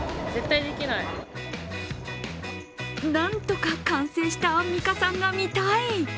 なんとか完成したアンミカさんが見たい。